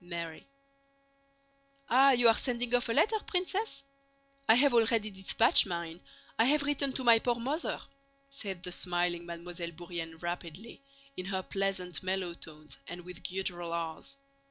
MARY "Ah, you are sending off a letter, Princess? I have already dispatched mine. I have written to my poor mother," said the smiling Mademoiselle Bourienne rapidly, in her pleasant mellow tones and with guttural r's.